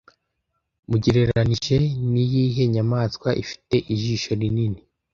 Mugereranije niyihe nyamaswa ifite ijisho rinini